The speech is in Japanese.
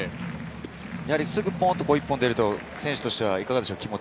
すぐ１本出ると選手としてはいかがですか？